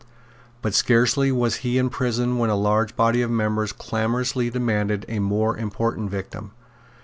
But scarcely was he in his prison when a large body of members clamorously demanded a more important victim.